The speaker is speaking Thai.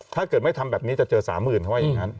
ถ้าเกิดไม่ทำแบบนี้จะเจอ๓๐๐๐เขาว่าอย่างนั้น